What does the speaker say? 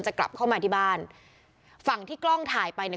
จะกลับเข้ามาที่บ้านฝั่งที่กล้องถ่ายไปเนี่ย